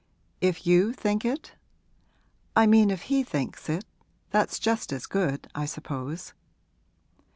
'If you think it?' 'I mean if he thinks it that's just as good, I suppose.'